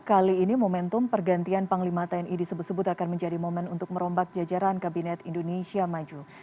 kali ini momentum pergantian panglima tni disebut sebut akan menjadi momen untuk merombak jajaran kabinet indonesia maju